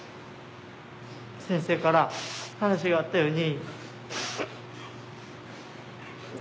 先生から話があったように。